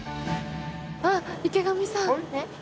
あっ池上さん。